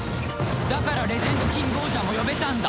だからレジェンドキングオージャーも呼べたんだ！